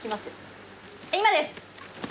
今です！